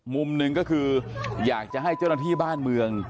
มุมหนึ่งก็คืออยากจะให้เจ้าหน้าที่บ้านเมือง